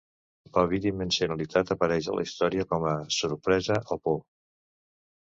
La bidimensionalitat apareix a la història com a sorpresa o por.